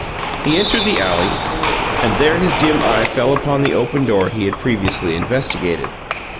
He entered the alley, and there his dim eye fell upon the open door he had previously investigated.